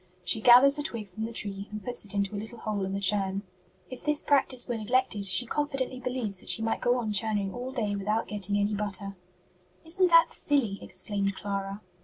She gathers a twig from the tree and puts it into a little hole in the churn. If this practice were neglected, she confidently believes that she might go on churning all day without getting any butter." "Isn't that silly?" exclaimed Clara.